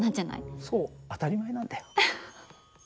そう当たり前なんだよ。